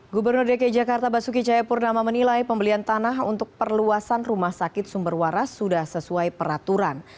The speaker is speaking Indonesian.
gubernur dki jakarta basuki cahayapurnama menilai pembelian tanah untuk perluasan rumah sakit sumber waras sudah sesuai peraturan